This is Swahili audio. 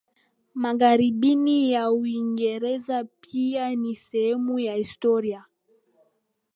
Magharibi ya Uingereza pia ni sehemu ya historia